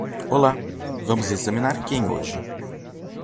Olá, vamos examinar quem hoje?